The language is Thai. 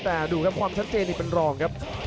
แต่ดูครับความชัดเจนนี่เป็นรองครับ